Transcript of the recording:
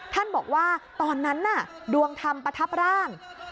ท่านบอกว่าตอนนั้นน่ะดวงธรรมประทับร่าง